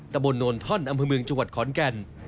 ตะบนโนนท่อนอำเภอเมืองจังหวัดขอนแก่น